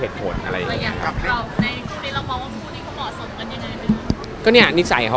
แล้วอย่างกับเราในคู่นี้เรามองว่าคู่นี้เขาเหมาะสมกันอย่างไหนหรือเปล่า